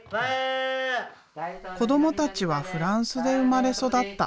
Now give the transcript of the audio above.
子どもたちはフランスで生まれ育った。